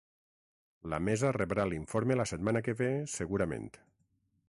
La mesa rebrà l’informe la setmana que ve, segurament.